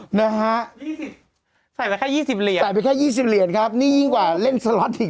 โหใส่แค่๒๐เหรียญใช่แค่๒๐เหรียญครับนี่นี่ยิ่งกว่าเล่นสเล็ตอีก